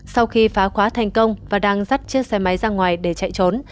sau khi phá khóa thành công và đang dắt chiếc xe máy ra ngoài để chạy trốn